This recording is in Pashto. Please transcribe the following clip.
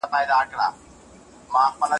واکسینونه په روغتیایی مرکزونو کې وړیا دي.